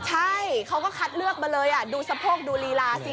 ใช่เขาก็คัดเลือกมาเลยดูสะโพกดูลีลาสิ